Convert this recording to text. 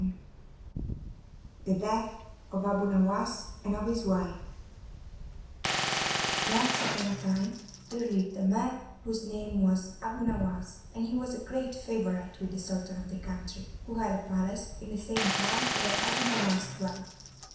] The Death Of Abu Nowas And Of His Wife Once upon a time there lived a man whose name was Abu Nowas, and he was a great favourite with the Sultan of the country, who had a palace in the same town where Abu Nowas dwelt.